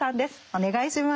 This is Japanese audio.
お願いします。